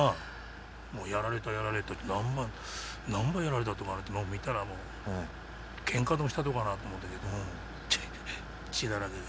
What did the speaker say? やられた、やられたって、なんぼやられたと思って見たら、けんかでもしたのかなと思ったけど、血だらけで。